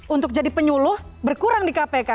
untuk jadi penyuluh berkurang di kpk